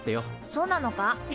そうなのか？